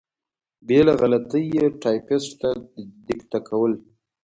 بې له غلطۍ یې ټایپېسټ ته دیکته کول.